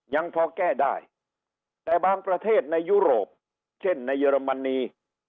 ยังพอแก้ได้แต่บางประเทศในยุโรปเช่นในเยอรมนี